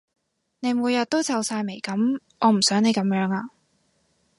你每日都皺晒眉噉，我唔想你噉樣呀